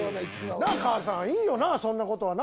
なぁ母さんいいよなそんなことはな。